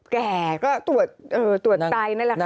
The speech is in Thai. แก่ก็ตรวจไตนั่นแหละค่ะ